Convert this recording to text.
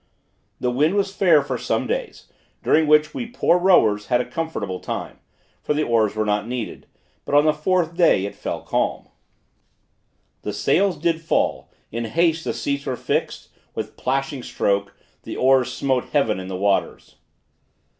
The wind was fair for some days, during which we poor rowers had a comfortable time, for the oars were not needed; but on the fourth day it fell calm; The sails did fall: in haste the seats were fixed; With plashing stroke, the oars smote heaven in the waters.